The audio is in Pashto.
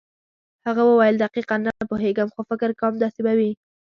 هغه وویل دقیقاً نه پوهېږم خو فکر کوم داسې به وي.